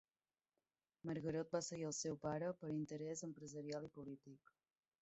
Margarot va seguir al seu pare per interès empresarial i polític.